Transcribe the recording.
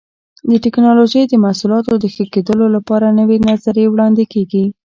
د ټېکنالوجۍ د محصولاتو د ښه کېدلو لپاره نوې نظریې وړاندې کېږي.